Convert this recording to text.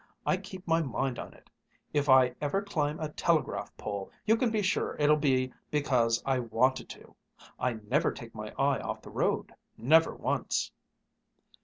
"I keep my mind on it. If I ever climb a telegraph pole you can be sure it'll be because I wanted to. I never take my eye off the road, never once."